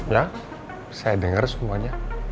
ya saya denger semuanya